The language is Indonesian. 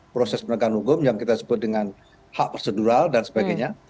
proses penegakan hukum yang kita sebut dengan hak prosedural dan sebagainya